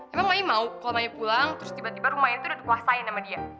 emang maya mau kalau mai pulang terus tiba tiba rumah itu udah dikuasain sama dia